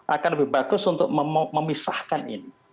akan lebih bagus untuk memisahkan ini